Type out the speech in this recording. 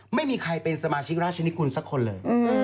ไม่มีใครเป็นสมาชิกราชนิกุลสักคนเลย